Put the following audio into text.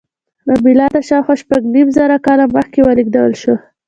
له میلاده شاوخوا شپږ نیم زره کاله مخکې ولېږدول شوه.